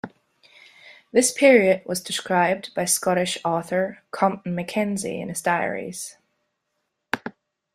This period was described by Scottish author Compton Mackenzie in his diaries.